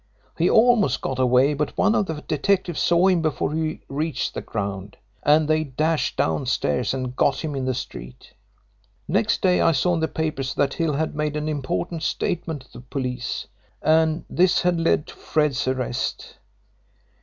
He almost got away, but one of the detectives saw him before he reached the ground, and they dashed down stairs and got him in the street. Next day I saw in the papers that Hill had made an important statement to the police, and this had led to Fred's arrest.